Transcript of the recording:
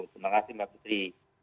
terima kasih mbak putri